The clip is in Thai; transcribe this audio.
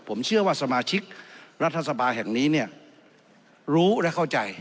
ผมเชื่อว่าสมาชิกรัฐสภาแห่งนี้เนี่ยรู้และเข้าใจ